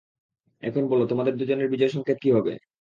এখন বলো, তোমাদের দুজনের বিজয় সংকেত কী হবে?